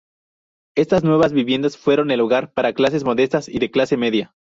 Estas nuevas viviendas fueron el hogar para clases modestas y de clase media.